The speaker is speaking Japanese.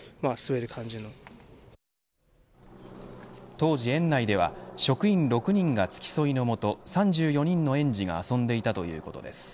当時園内では職員６人が付き添いの元３４人の園児が遊んでいたということです。